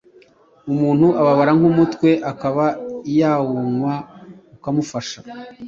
umuntu ababara nk’umutwe akaba yawunywa ukamufasha,